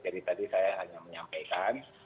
jadi tadi saya hanya menyampaikan